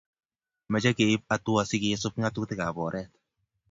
mache keip atua si kesup ngatutik ab oret